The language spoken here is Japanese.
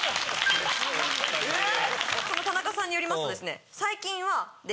その田中さんによりますと最近は。